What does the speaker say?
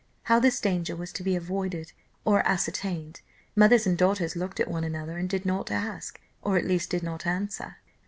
How this danger was to be avoided or ascertained, mothers and daughters looked at one another, and did not ask, or at least did not answer.